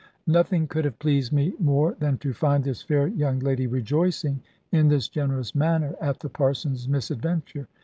Nothing could have pleased me more than to find this fair young lady rejoicing in this generous manner at the Parson's misadventure.